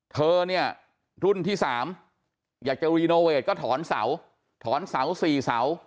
เธอเนี่ยรุ่นที่๓อยากจะรีโนเวทก็ถอนเสาถอนเสา๔เสา